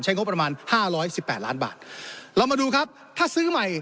งบประมาณห้าร้อยสิบแปดล้านบาทเรามาดูครับถ้าซื้อใหม่